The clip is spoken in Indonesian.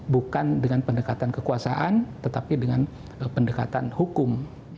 bukan dengan pendekatan kekuasaan tetapi dengan pendekatan hukum